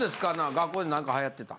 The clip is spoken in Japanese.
学校で何か流行ってた？